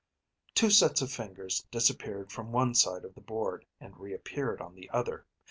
Two sets of fingers disappeared from one side of the board and reappeared on the other.